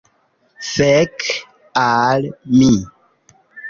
Fek' al mi